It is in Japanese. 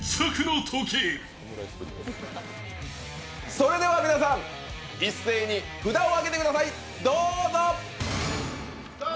それでは皆さん一斉に札を上げてください、どうぞ！